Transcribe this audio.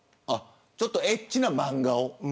ちょっとエッチな漫画を。